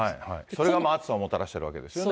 それが暑さをもたらしているわけですよね。